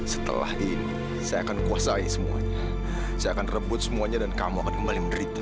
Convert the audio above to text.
setelah ini saya akan kuasai semuanya saya akan rebut semuanya dan kamu akan kembali menderita